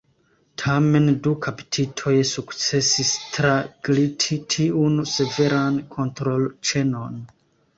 Tamen du kaptitoj sukcesis tragliti tiun severan kontrolĉenon.